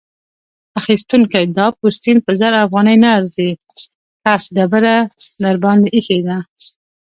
اخيستونکی: دا پوستین په زر افغانۍ نه ارزي؛ کس ډبره درباندې اېښې ده.